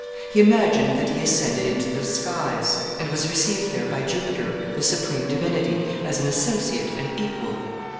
He imagined that he ascended into the skies, and was received there by Jupiter, the supreme divinity, as an associate and equal.